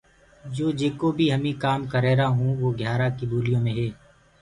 يو جيڪو بي هميٚنٚ ڪآم ڪر رهيرآ هوُنٚ وو گيآرآ ڪيٚ ٻوليو مي هي۔